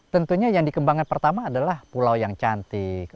tentunya yang dikembangkan pertama adalah pulau yang cantik